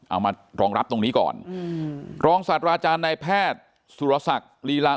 เอามารองรับตรงนี้ก่อนรองสัตว์อาจารย์ในแพทย์สุรศักดิ์ลีลา